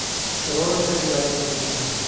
کروڑ روپے سے زیادہ بنتی ہے۔